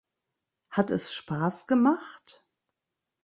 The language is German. Hat es Spaß gemacht?